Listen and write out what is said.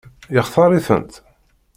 Yextaṛ-itent?